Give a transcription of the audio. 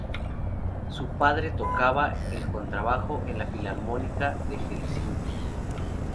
Su padre tocaba el contrabajo en la Filarmónica de Helsinki.